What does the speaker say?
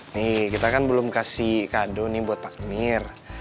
nih kita kan belum kasih kado nih buat pak nir